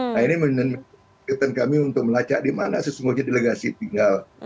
nah ini menunjukkan kami untuk melacak di mana sesungguhnya delegasi tinggal